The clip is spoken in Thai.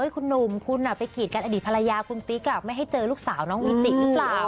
คุณหนุ่มคุณไปกีดกันอดีตภรรยาคุณติ๊กไม่ให้เจอลูกสาวน้องวิจิหรือเปล่า